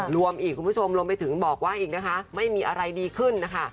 รวมอีกคุณผู้ชมรวมไปถึงบอกว่าอีกนะคะไม่มีอะไรดีขึ้นนะคะ